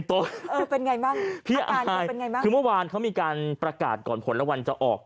พี่อาการยังเป็นไงขึ้นเมื่อวานเขามีประกาศก่อนผลละวันจะออก